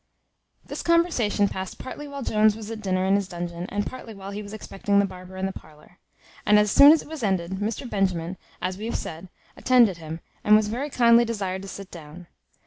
This conversation passed partly while Jones was at dinner in his dungeon, and partly while he was expecting the barber in the parlour. And, as soon as it was ended, Mr Benjamin, as we have said, attended him, and was very kindly desired to sit down.